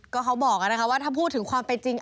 ก็เขาบอกนะคะว่าถ้าพูดถึงความเป็นจริง